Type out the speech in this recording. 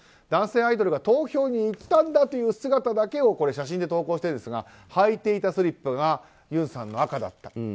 男性アイドルが投票に行ったんだという姿だけを写真で投稿しているんですが履いていたスリッパが尹さんの赤だった。